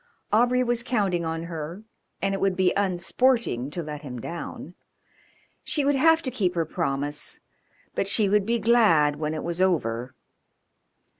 Aubrey was counting on her, and it would be unsporting to let him down; she would have to keep her promise, but she would be glad when it was over.